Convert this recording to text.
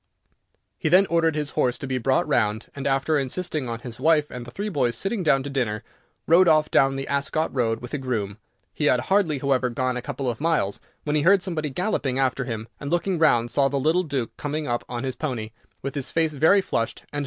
He then ordered his horse to be brought round, and, after insisting on his wife and the three boys sitting down to dinner, rode off down the Ascot road with a groom. He had hardly, however, gone a couple of miles, when he heard somebody galloping after him, and, looking round, saw the little Duke coming up on his pony, with his face very flushed, and no hat.